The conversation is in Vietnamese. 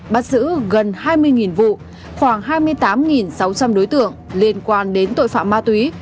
bắt giữ gần hai mươi vụ khoảng hai mươi tám sáu trăm linh đối tượng liên quan đến tội phạm ma túy